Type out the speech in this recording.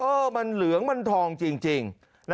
เออมันเหลืองมันทองจริง